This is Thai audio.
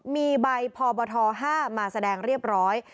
มีใบพบท๕มาแสดงเรียบร้อย